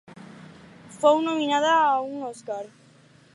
Fou nominada a un Òscar.